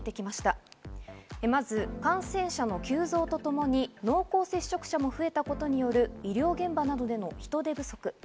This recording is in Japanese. まず感染者の急増とともに濃厚接触者も増えたことによる医療現場などでの人手不足。